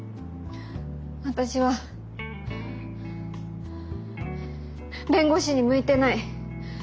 私は弁護士に向いてない。